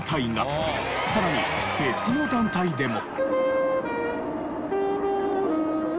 さらに別の団体でも。